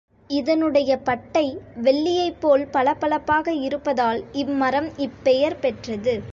இதனுடைய பட்டை வெள்ளியைப்போல் பளபளப்பாக இருப்பதால் இம்மரம் இப்பெயர் பெற்றது.